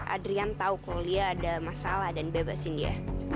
adrian tau kalau lia ada masalah dan bebasin dia